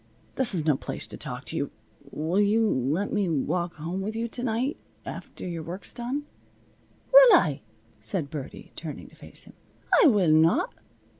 This is no place to talk to you. Will you let me walk home with you to night after your work's done?" "Will I?" said Birdie, turning to face him. "I will not.